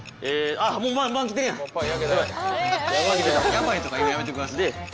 ヤバいとか言うのやめてください。